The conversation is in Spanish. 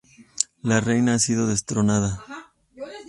La Reina ha sido destronada.